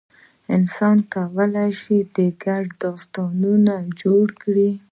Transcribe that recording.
انسان کولی شي ګډ داستانونه جوړ کړي.